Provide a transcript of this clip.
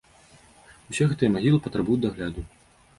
Усе гэтыя магілы патрабуюць дагляду.